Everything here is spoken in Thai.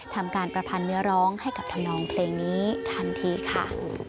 ทำการประพันธ์เนื้อร้องให้กับธนองเพลงนี้ทันทีค่ะ